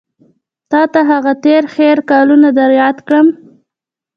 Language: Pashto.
تا ته هغه تېر هېر کلونه در یاد کړم.